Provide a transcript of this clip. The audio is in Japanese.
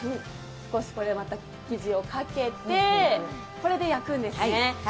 少し生地をまたかけて、これで焼くんですね。